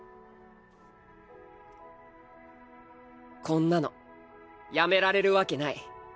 こんなのやめられるわけない。